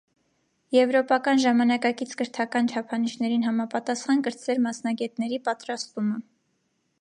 Եվրոպական ժամանակակից կրթական չափանիշներին համապատասխան կրտսեր մասնագետների պատրաստումը։